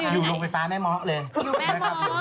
อยู่โรงไฟฟ้าแม่หมอเลย